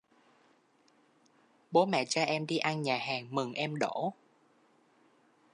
bố mẹ cho em đi ăn nhà hàng mừng em đỗ